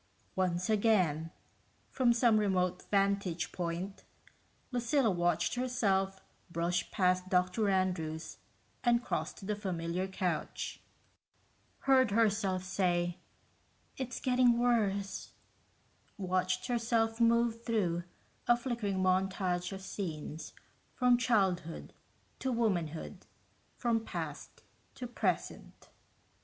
Once again, from some remote vantage point, Lucilla watched herself brush past Dr. Andrews and cross to the familiar couch, heard herself say, "It's getting worse," watched herself move through a flickering montage of scenes from childhood to womanhood, from past to present.